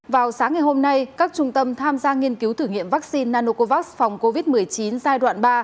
vào sáng ngày hôm nay các trung tâm tham gia nghiên cứu thử nghiệm vaccine nanocovax phòng covid một mươi chín giai đoạn ba